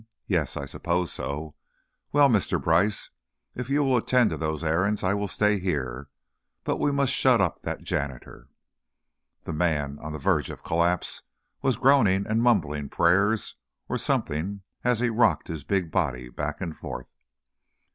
Yes, I suppose so. Well, Mr. Brice, if you will attend to those errands, I will stay here. But we must shut up that janitor!" The man, on the verge of collapse, was groaning and mumbling prayers, or something, as he rocked his big body back and forth.